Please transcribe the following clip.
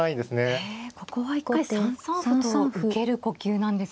へえここは一回３三歩と受ける呼吸なんですね。